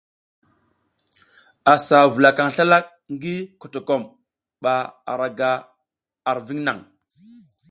A sa vula kan slalak ngii kotokom ba ara ga ar viŋ naŋ.